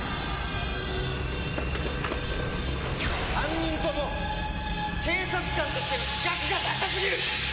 ３人とも警察官としての自覚がなさ過ぎる！